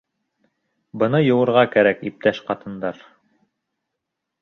Быны йыуырға кәрәк, иптәш ҡатындар.